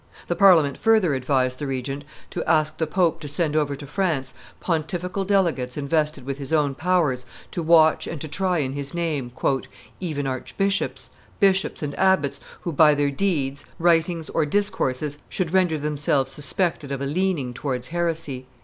The Parliament further advised the regent to ask the pope to send over to France pontifical delegates invested with his own powers to watch and to try in his name "even archbishops, bishops, and abbots, who by their deeds, writings, or discourses, should render themselves suspected of a leaning towards heresy."